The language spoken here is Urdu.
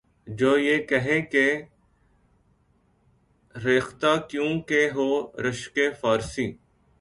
جو یہ کہے کہ ’’ ریختہ کیوں کہ ہو رشکِ فارسی؟‘‘